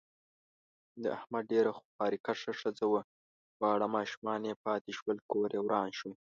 د احمد ډېره خواریکښه ښځه وه، واړه ماشومان یې پاتې شول. کوریې وران شو.